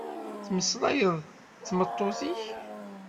Tmeslayeḍ d tmeṭṭut-ik?